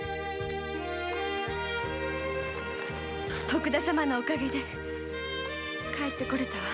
徳田様のお陰で帰ってこられたわ。